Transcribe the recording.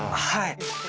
はい。